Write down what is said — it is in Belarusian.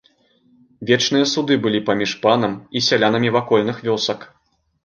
Вечныя суды былі паміж панам і сялянамі вакольных вёсак.